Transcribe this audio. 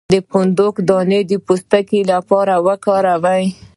د فندق دانه د پوستکي لپاره وکاروئ